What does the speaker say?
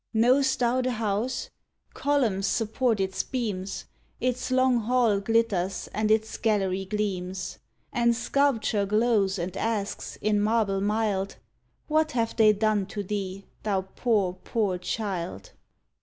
Know'st thou the house? Columns support its beams, Its long hall glitters and its gallery gleams; And sculpture glows and asks, in marble mild, "What have they done to thee, thou poor, poor child?"